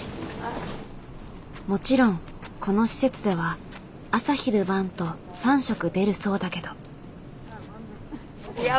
もちろんこの施設では朝昼晩と３食出るそうだけど。